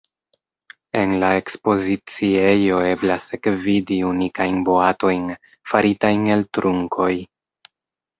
En la ekspoziciejo eblas ekvidi unikajn boatojn, faritajn el trunkoj.